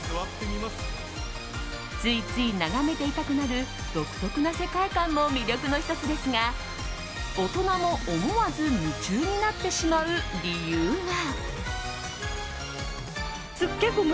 ついつい眺めていたくなる独特な世界観も魅力の１つですが大人も思わず夢中になってしまう理由が。